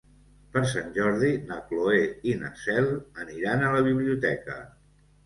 Per Sant Jordi na Cloè i na Cel aniran a la biblioteca.